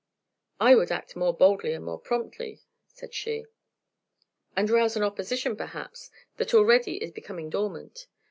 "I would act more boldly and more promptly," said she. "And rouse an opposition, perhaps, that already is becoming dormant.